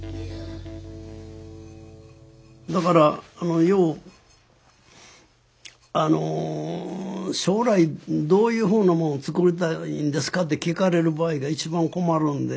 だからよう「将来どういうふうなものを作りたいんですか？」って聞かれる場合が一番困るんで。